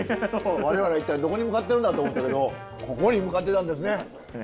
我々は一体どこに向かってるんだと思ったけどここに向かってたんですね。